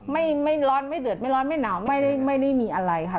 ไม่ร้อนไม่เดือดไม่ร้อนไม่หนาวไม่ได้มีอะไรค่ะ